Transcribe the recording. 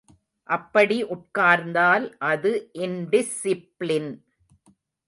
அப்படி உட்கார்ந்தால் அது இன்டிஸ்ஸிப்ளின்.